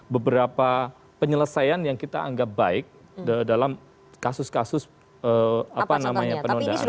beberapa penyelesaian yang kita anggap baik dalam kasus kasus penodaan agama